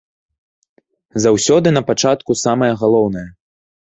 Заўсёды напачатку самае галоўнае.